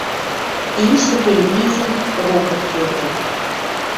Пиш ревизим Рогов тергӓ.